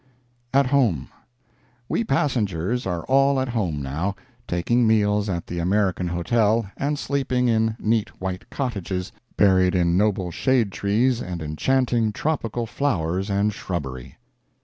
AT HOME We passengers are all at home now—taking meals at the American Hotel, and sleeping in neat white cottages, buried in noble shade trees and enchanting tropical flowers and shrubbery.